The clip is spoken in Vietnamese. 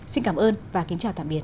xin cảm ơn và kính chào tạm biệt